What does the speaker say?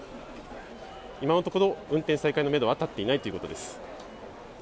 今のところ運転再開のめどは立っていないということです。